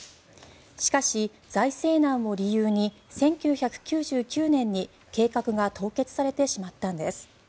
しかし財政難を理由に１９９９年に計画が凍結されてしまったんです。